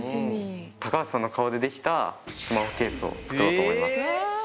高橋さんの顔で出来たスマホケースを作ろうと思います。